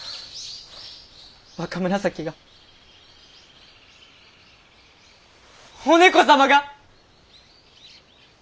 若紫がお猫様が！